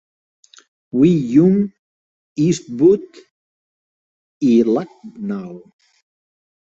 Wi Yung, Eastwood i Lucknow.